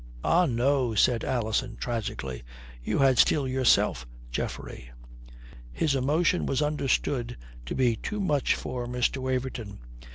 "Ah, no," says Alison tragically, "you had still yourself, Geoffrey." His emotion was understood to be too much for Mr. Waverton.